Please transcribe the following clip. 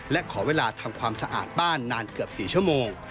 และขอเวลาทำความสะอาดบ้านนานเกือบ๔ชั่วโมง